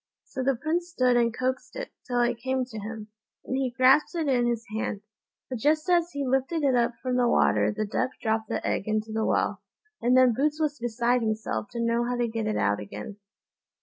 So the Prince stood and coaxed it, till it came to him, and he grasped it in his hand; but just as he lifted it up from the water the duck dropped the egg into the well, and then Boots was beside himself to know how to get it out again.